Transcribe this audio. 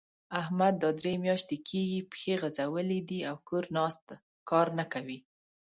احمد دا درې مياشتې کېږي؛ پښې غځولې دي او کور ناست؛ کار نه کوي.